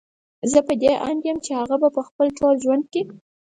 زه په دې اند يم چې هغه به په خپل ټول ژوند کې